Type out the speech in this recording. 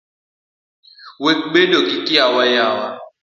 Wek bedo gi kiawa yawa